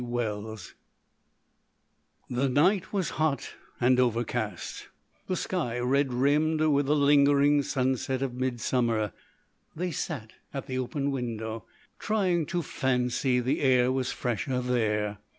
THE CONE The night was hot and overcast, the sky red rimmed with the lingering sunset of midsummer. They sat at the open window, trying to fancy the air was fresher there.